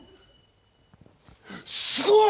すごい！